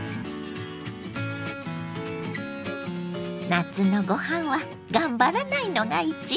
夏のご飯は頑張らないのが一番！